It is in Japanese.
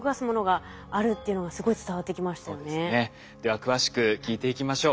では詳しく聞いていきましょう。